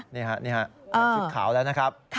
นี่ค่ะนี่ค่ะกลับศึกขาวแล้วนะครับ